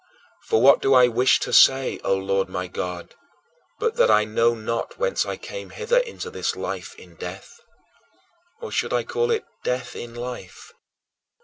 For what do I wish to say, O Lord my God, but that I know not whence I came hither into this life in death. Or should I call it death in life?